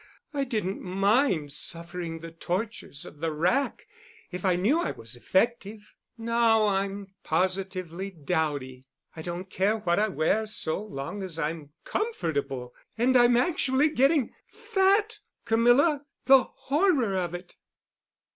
I didn't mind suffering the tortures of the rack if I knew I was effective. Now—I'm positively dowdy. I don't care what I wear so long as I'm comfortable—and I'm actually getting fat, Camilla! The horror of it!"